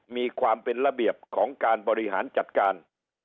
มีความเป็นระเบียบของการบริหารจัดการ